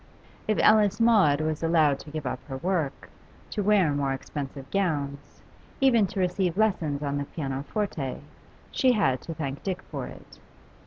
If Alice Maud was allowed to give up her work, to wear more expensive gowns, even to receive lessons on the pianoforte, she had to thank Dick for it.